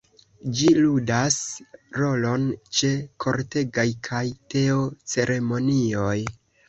Ĝi ludas rolon ĉe kortegaj kaj teo-ceremonioj.